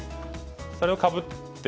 それをかぶって。